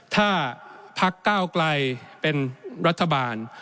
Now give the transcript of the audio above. ถ้าภักดิ์ก้าวกลายเป็นรัฐบาล